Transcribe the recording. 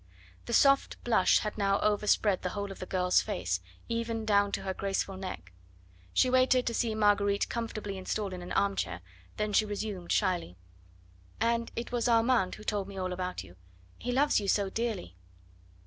The soft blush had now overspread the whole of the girl's face, even down to her graceful neck. She waited to see Marguerite comfortably installed in an armchair, then she resumed shyly: "And it was Armand who told me all about you. He loves you so dearly."